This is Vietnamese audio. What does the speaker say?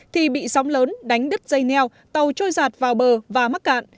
thì bị sóng lớn đánh đứt dây neo tàu trôi giạt vào bờ và mắc cạn